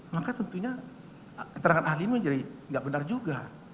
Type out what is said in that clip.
maka tentunya keterangan ahli menjadi tidak benar juga